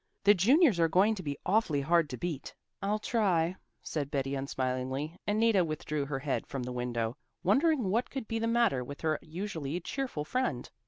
The juniors are going to be awfully hard to beat." "I'll try," said Betty unsmilingly, and Nita withdrew her head from the window, wondering what could be the matter with her usually cheerful friend.